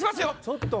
ちょっと。